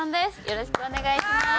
よろしくお願いします。